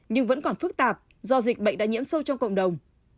nhưng vẫn còn phức tạp do dịch bệnh đã nhiễm sâu trong cộng đồng